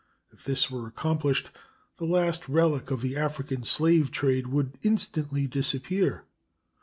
If this were accomplished, the last relic of the African slave trade would instantly disappear.